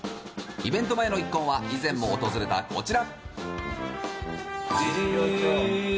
イベントの前の一献は以前も訪れたこちら。